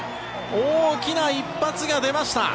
大きな一発が出ました。